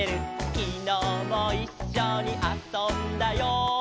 「きのうもいっしょにあそんだよ」